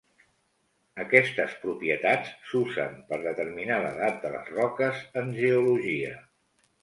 Aquestes propietats s'usen per determinar l'edat de les roques en geologia.